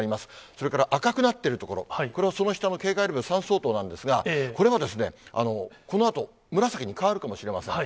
それから、赤くなっている所、これはその下の警戒レベル３相当なんですが、これはこのあと、紫に変わるかもしれません。